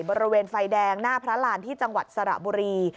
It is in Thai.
บริเวณไฟแดงหน้าพระรานที่จังหวัดสระบุรี